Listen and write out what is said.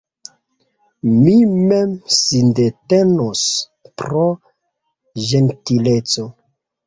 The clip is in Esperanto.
Mi mem sindetenos – pro ĝentileco.